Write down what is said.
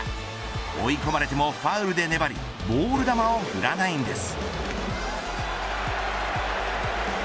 追い込まれてもファウルで粘りボール球を振らないんです。